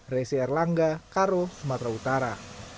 resi erlangga karo sumatera utara